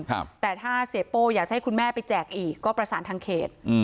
แต่ถ้าเสียโป้อยากจะให้คุณแม่ไปแจกอีกก็ประสานทางเขตอืม